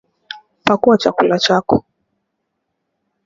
Pakuaa chakula chako